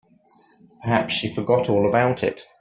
Perhaps she forgot all about it.